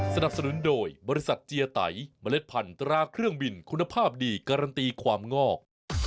สนับสนุนโดยบริษัทเจียไตเมล็ดพันธราเครื่องบินคุณภาพดีการันตีความงอก